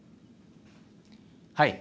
はい。